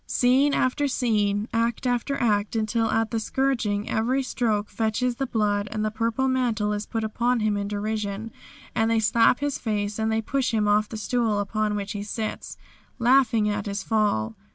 Scene after scene, act after act, until at the scourging every stroke fetches the blood; and the purple mantle is put upon Him in derision, and they slap His face and they push Him off the stool upon which He sits, laughing at His fall.